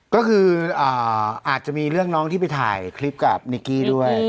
ก็คืออาจจะมีเรื่องน้องที่ไปถ่ายคลิปกับนิกกี้ด้วย